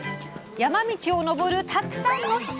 山道を登るたくさんの人。